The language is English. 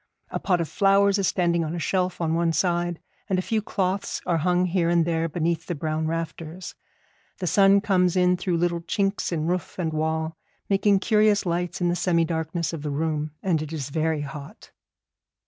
A pot of flowers is standing on a shelf on one side, and a few cloths are hung here and there beneath the brown rafters. The sun comes in through little chinks in roof and wall, making curious lights in the semi darkness of the room, and it is very hot.